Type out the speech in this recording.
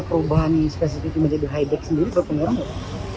perubahan spesifik menjadi high tech sendiri berpengaruh nggak pak